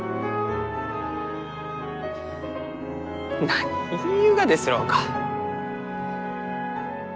何言いゆうがですろうか。